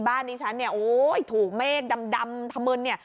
ดิฉันเนี่ยโอ้ยถูกเมฆดำถมึนเนี่ย